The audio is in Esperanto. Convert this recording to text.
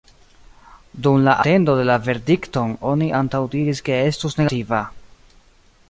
Dum la atendo de la verdikton oni antaŭdiris ke estus negativa.